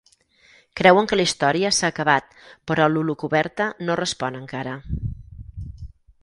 Creuen que la història s"ha acabat però l"holocoberta no respon encara.